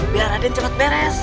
biar raden cepat beres